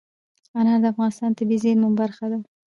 انار د افغانستان د طبیعي زیرمو برخه ده.